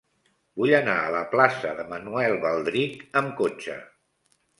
Vull anar a la plaça de Manuel Baldrich amb cotxe.